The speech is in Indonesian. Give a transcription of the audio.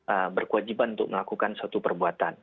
ee berkewajiban untuk melakukan suatu perbuatan